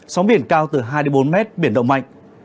sóng biển cao từ hai đến bốn mét biển động mạnh